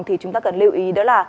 thì chúng ta cần lưu ý đó là